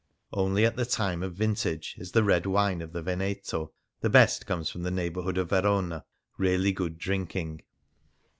Only at the time of vintage is the red wine of the Veneto (the best comes from the neighbourhood of Verona) really good drink ing.